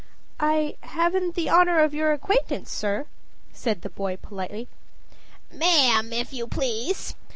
"I haven't the honor of your acquaintance, sir," said the boy politely. "Ma'am, if you please.